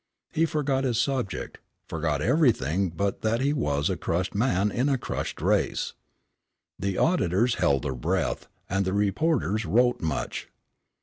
He forgot his subject, forgot everything but that he was a crushed man in a crushed race. The auditors held their breath, and the reporters wrote much.